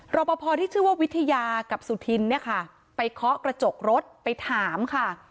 รอปภที่ชื่อว่าวิทยากับสุธินเนี่ยค่ะไปเคาะกระจกรถไปถามค่ะ